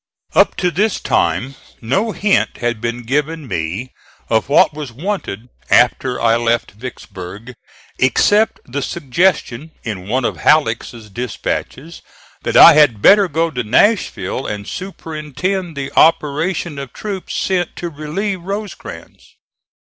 Up to this time no hint had been given me of what was wanted after I left Vicksburg, except the suggestion in one of Halleck's dispatches that I had better go to Nashville and superintend the operation of troops sent to relieve Rosecrans.